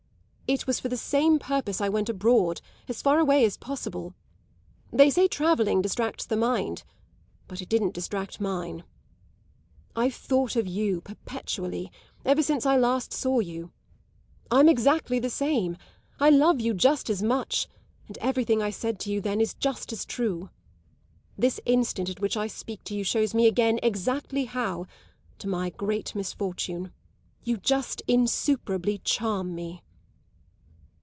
It was for the same purpose I went abroad as far away as possible. They say travelling distracts the mind, but it didn't distract mine. I've thought of you perpetually, ever since I last saw you. I'm exactly the same. I love you just as much, and everything I said to you then is just as true. This instant at which I speak to you shows me again exactly how, to my great misfortune, you just insuperably charm me.